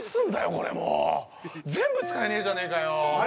これもう全部使えねえじゃねえかよ